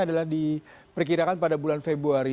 adalah diperkirakan pada bulan februari